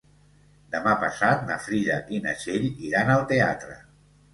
Demà passat na Frida i na Txell iran al teatre.